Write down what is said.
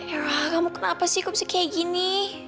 erah kamu kenapa sih kok bisa kayak gini